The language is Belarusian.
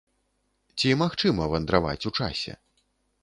Ці магчыма вандраваць у часе?